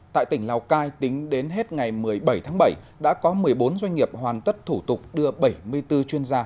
tại tỉnh lào cai tính đến hết ngày một mươi bảy tháng bảy đã có một mươi bốn doanh nghiệp hoàn tất thủ tục đưa bảy mươi bốn chuyên gia